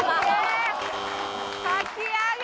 かき揚げ！